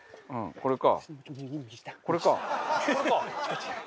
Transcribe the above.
これか。